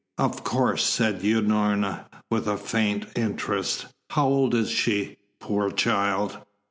"Of course," said Unorna, with a faint interest. "How old is she, poor child?"